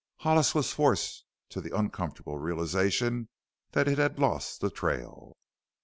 Hollis was forced to the uncomfortable realization that it had lost the trail.